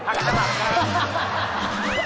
ผักสะบัดครับ